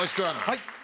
はい。